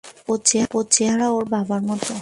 ওর চেহারা ওর বাবার মতো।